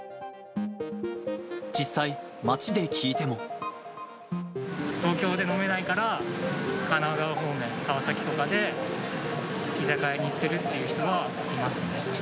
実際、東京で飲めないから、神奈川方面、川崎とかで居酒屋に行ってるっていう人はいますね。